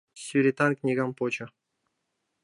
Сӱретан книгам почо.